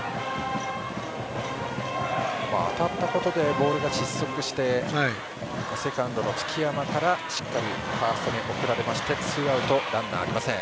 当たったことでボールが失速してセカンドの月山からしっかりファーストに送られましてツーアウト、ランナーありません。